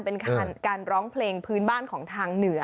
เป็นการร้องเพลงพื้นบ้านของทางเหนือ